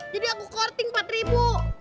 jadi aku korting empat ribu